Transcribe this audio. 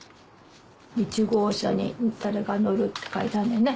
１号車に誰が乗るって書いてあんねんね。